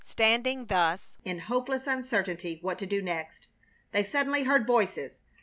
Standing thus in hopeless uncertainty what to do next, they suddenly heard voices.